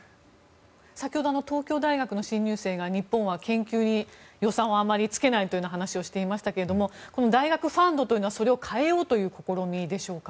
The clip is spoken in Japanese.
先ほど東京大学の新入生が日本は研究に予算をあまりつけないという話をしていましたけど大学ファンドというのはそれを変えようという試みでしょうか。